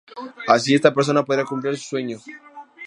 Así, esta persona podría cumplir su sueño.